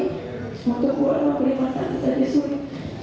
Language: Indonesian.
semoga tuhan memperlihatkan saya saja suri